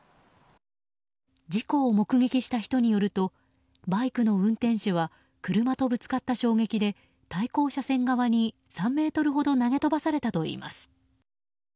事故を目撃した人によるとバイクの運転手は車とぶつかった衝撃で対向車線側に３ｍほど投げ飛ばされたといいます。